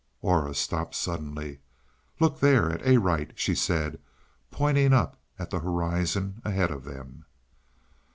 Aura stopped suddenly. "Look there at Arite," she said, pointing up at the horizon ahead of them.